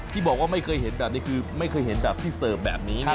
ที่บอกว่าไม่เคยเห็นแบบนี้คือไม่เคยเห็นแบบที่เสิร์ฟแบบนี้นะ